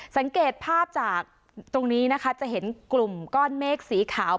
สังเกตภาพจากตรงนี้นะคะจะเห็นกลุ่มก้อนเมฆสีขาว